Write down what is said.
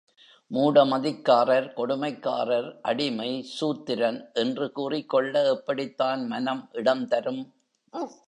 மூட மதிக்காரர், கொடுமைக்காரர், அடிமை, சூத்திரன் என்று கூறிக்கொள்ள எப்படித்தான் மனம் இடந்தரும்?